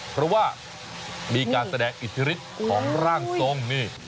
เพราะว่ามีการแสดงอิทธิฤทธิ์ของร่างทรงนี่